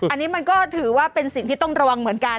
อันนี้มันก็ถือว่าเป็นสิ่งที่ต้องระวังเหมือนกัน